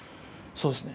そうですね。